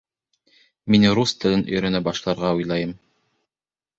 Мин рус телен өйрәнә башларға уйлайым.